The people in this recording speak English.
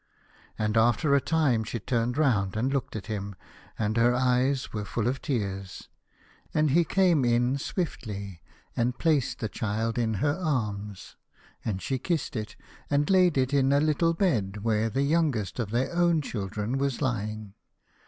And after a time she turned round and looked at him, and her eyes were full of tears. And he came in swiftly, and placed the child T 35 A House of Pomegranates. in her arms, and she kissed it, and laid it in a little bed where the youngest of their own children was lying.